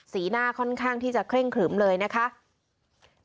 หน้าค่อนข้างที่จะเคร่งขลึมเลยนะคะ